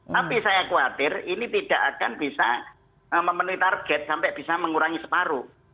tapi saya khawatir ini tidak akan bisa memenuhi target sampai bisa mengurangi separuh